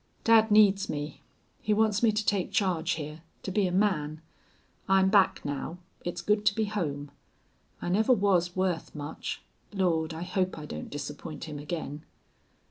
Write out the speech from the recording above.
"Dad needs me. He wants me to take charge here to be a man. I'm back now. It's good to be home. I never was worth much. Lord! I hope I don't disappoint him again."